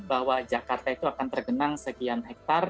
bahwa jakarta itu akan tergenang sekian hektare